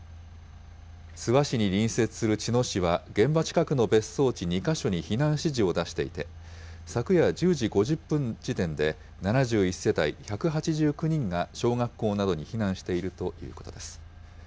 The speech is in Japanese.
諏訪市に隣接する茅野市は、現場近くの別荘地２か所に避難指示を出していて、昨夜１０時５０分時点で、７１世帯１８９人が小学校などに避難しているということです。